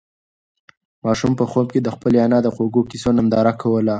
ماشوم په خوب کې د خپلې انا د خوږو قېصو ننداره کوله.